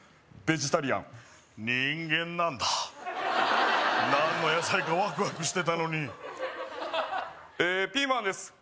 ベジタリアン人間なんだ何の野菜かワクワクしてたのにえーピーマンです